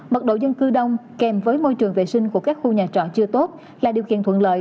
mật độ dân cư đông kèm với môi trường vệ sinh của các khu nhà trọ chưa tốt là điều kiện thuận lợi